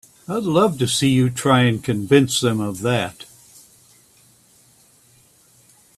I'd love to see you try and convince them of that!